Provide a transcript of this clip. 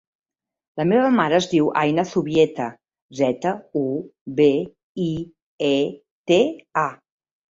La meva mare es diu Aïna Zubieta: zeta, u, be, i, e, te, a.